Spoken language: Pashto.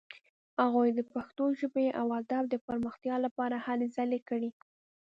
هغوی د پښتو ژبې او ادب د پرمختیا لپاره هلې ځلې کړې.